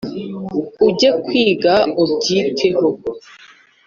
ujye kwiga ubyiteho